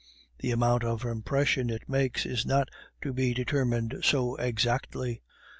The amount of impression it makes is not to be determined so exactly.